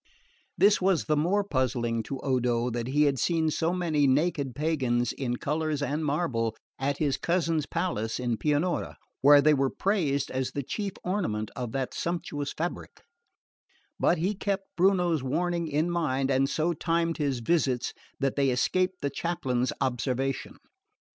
This was the more puzzling to Odo that he had seen so many naked pagans, in colours and marble, at his cousin's palace of Pianura, where they were praised as the chief ornament of that sumptuous fabric; but he kept Bruno's warning in mind and so timed his visits that they escaped the chaplain's observation.